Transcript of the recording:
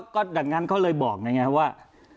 ก็ดังนั้นเขาเลยบอกไงครับว่า